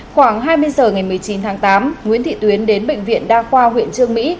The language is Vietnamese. khoảng hai mươi h ngày một mươi chín tháng tám nguyễn thị tuyến đến bệnh viện đa khoa huyện trương mỹ